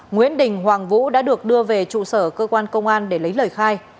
nguyễn đình hoàng vũ đã được đưa về trụ sở cơ quan công an để lấy lời khai